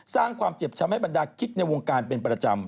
สร้างความเจ็บช้ำให้บรรดาคิดในวงการเป็นประจำ